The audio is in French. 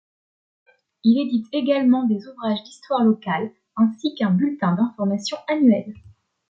Il édite également des ouvrages d'histoire locale ainsi qu'un bulletin d'information annuel.